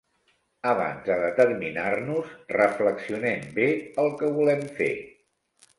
Abans de determinar-nos reflexionem bé el que volem fer.